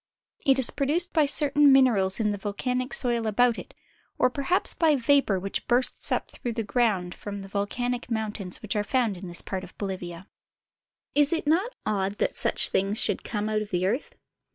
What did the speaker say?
It is produced by certain materials in the vol canic soil about it, or perhaps by vapor which bursts up through the ground from the volcanic mountains which are found in this part of Bolivia. Is it not odd that such things should come out of the earth